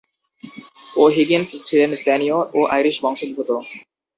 O'Higgins ছিলেন স্প্যানীয় ও Irish বংশদ্ভুত।